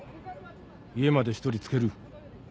家まで１人付ける。